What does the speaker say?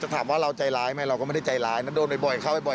ถามว่าเราใจร้ายไหมเราก็ไม่ได้ใจร้ายนะโดนบ่อยเข้าไปบ่อย